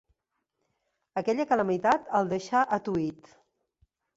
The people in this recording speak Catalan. Aquella calamitat el deixà atuït.